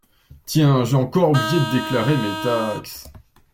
Tiens j'ai encore oublié de déclarer mes taxes.